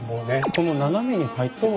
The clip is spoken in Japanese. この斜めに入った線。